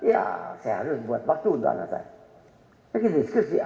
ya saya harus membuat maksu untuk anak saya